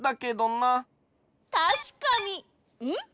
たしかにん？